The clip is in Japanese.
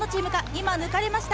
今、抜かれました。